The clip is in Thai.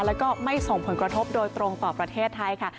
แล้วก็ไม่ส่งผลกระทบโดยตรงต่อประเทศไทยค่ะ